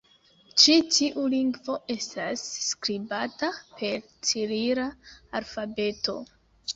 Ĉi tiu lingvo estas skribata per cirila alfabeto.